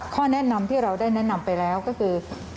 ข้อแนะนำที่เราได้แนะนำไปแล้วก็คือ